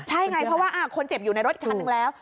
ใช่ไงเพราะว่าคนเจ็บอยู่ในรถอีกคันนึงแล้ว